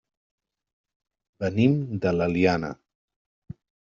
Venim de l'Eliana.